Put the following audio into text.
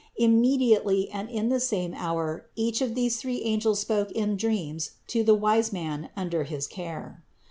Imme diately and in the same hour each of the three angels spoke in dreams to the wise man under his care.